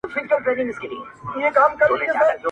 زې منمه ته صاحب د کُل اختیار یې,